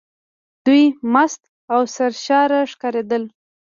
دوی مست او سرشاره ښکارېدل.